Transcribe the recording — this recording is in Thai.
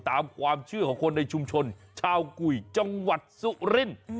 ตามความเชื่อของคนในชุมชนชาวกุยจังหวัดสุรินทร์